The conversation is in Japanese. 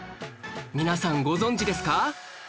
皆さんご存じですか？